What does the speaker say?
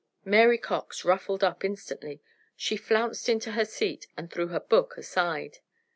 Mary Cox ruffled up instantly. She flounced into her seat and threw her book aside.